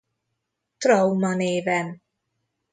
Trauma néven